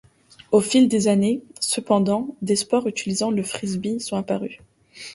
Au fil des années, cependant, des sports utilisant le frisbee sont apparus.